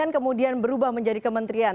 kemudian berubah menjadi kementerian